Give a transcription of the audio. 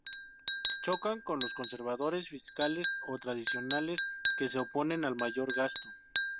Chocan con los conservadores fiscales o tradicionales que se oponen al mayor gasto.